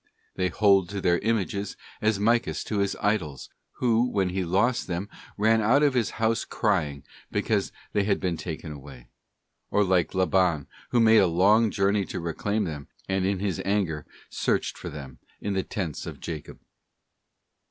They hold to their images as Michas to his idols, who when he lost them ran out of his house crying because they had been taken away;* or like Laban, who made a long journey to reclaim them, and in his anger searched for them in the tents of Jacob.